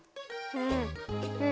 うん。